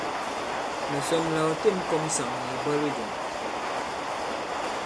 Mɛ̀ sɔm la ɔ têm ɔ kɔ̄m ŋsàŋ nì ìbwalo jɔ̄ŋ.